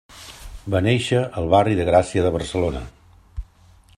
Va néixer al barri de Gràcia de Barcelona.